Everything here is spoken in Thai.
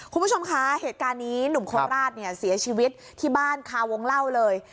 คุณผู้ชมคะเหตุการณ์นี้หนุ่มโคราชเนี่ยเสียชีวิตที่บ้านคาวงเล่าเลย